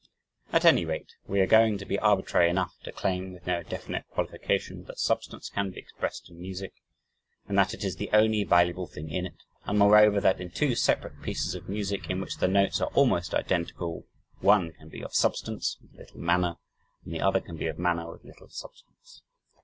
At any rate, we are going to be arbitrary enough to claim, with no definite qualification, that substance can be expressed in music, and that it is the only valuable thing in it, and moreover that in two separate pieces of music in which the notes are almost identical, one can be of "substance" with little "manner," and the other can be of "manner" with little "substance."